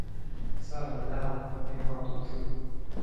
塞尔奈人口变化图示